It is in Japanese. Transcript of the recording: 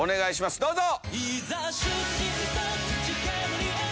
どうぞ！